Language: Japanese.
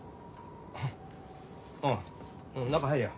おう中入れよ。